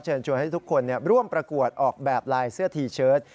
ชวนให้ทุกคนร่วมประกวดออกแบบลายเสื้อทีเชิด